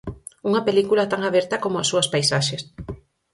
Unha película tan aberta como as súas paisaxes.